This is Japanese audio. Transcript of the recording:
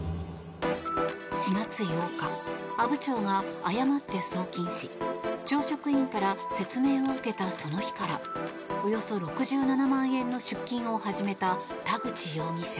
４月８日阿武町が誤って送金し町職員から説明を受けたその日からおよそ６７万円の出金を始めた田口容疑者。